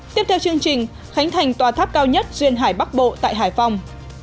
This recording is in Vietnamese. tiếp theo chương trình khánh thành tòa tháp cao nhất duyên hải bắc bộ tại hải phòng